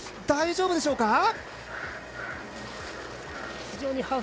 大丈夫でしょうか。